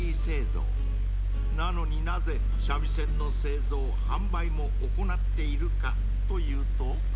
［なのになぜ三味線の製造販売も行っているかというと］